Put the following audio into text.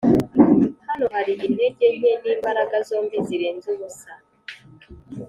hano hari intege nke, n'imbaraga zombi zirenze ubusa;